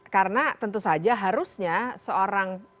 karena tentu saja harusnya seorang